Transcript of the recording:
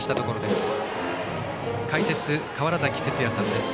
解説、川原崎哲也さんです。